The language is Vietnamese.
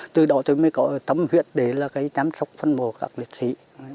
từ đó tôi mới có tấm huyện để chăm sóc phần mộ các liệt sĩ